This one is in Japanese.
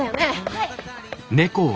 はい。